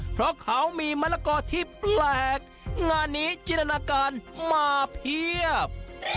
เพราะเขามีมะละกอที่แปลกงานนี้จินตนาการมาเพียบ